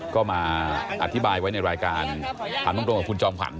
ก็มาอธิบายไว้ในรายการถามตรงกับคุณจอมขวัญ